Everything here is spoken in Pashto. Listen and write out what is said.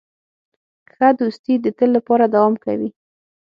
ښه دوستي د تل لپاره دوام کوي.